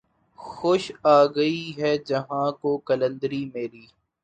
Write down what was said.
خوش آ گئی ہے جہاں کو قلندری میری